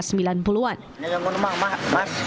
mas aku ingin menemukan mas